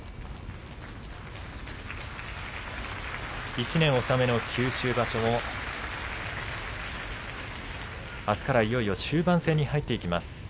１年納めの九州場所もあすからいよいよ終盤戦に入っていきます。